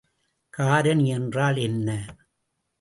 காரணி என்றால் என்ன?